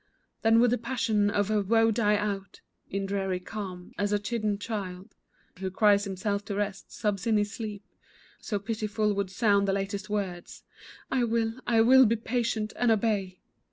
Then would the passion of her woe die out In dreary calm, and as a chidden child Who cries himself to rest, sobs in his sleep, So pitifully would sound the latest words "I will, I will be patient, and obey."